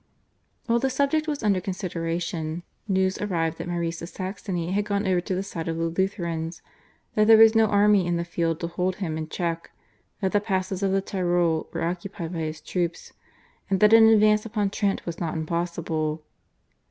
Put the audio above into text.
While the subject was under consideration news arrived that Maurice of Saxony had gone over to the side of the Lutherans, that there was no army in the field to hold him in check, that the passes of the Tyrol were occupied by his troops, and that an advance upon Trent was not impossible.